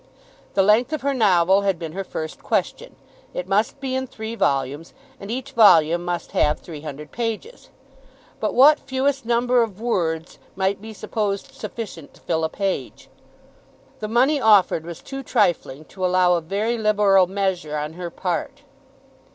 The length of her novel had been her first question. It must be in three volumes, and each volume must have three hundred pages. But what fewest number of words might be supposed sufficient to fill a page? The money offered was too trifling to allow of very liberal measure on her part.